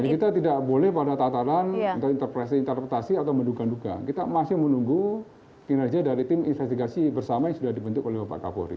jadi kita tidak boleh pada tatanan untuk interpretasi interpretasi atau menduga duga kita masih menunggu kinerja dari tim investigasi bersama yang sudah dibentuk oleh bapak kapolri